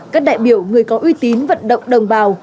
các đại biểu người có uy tín vận động đồng bào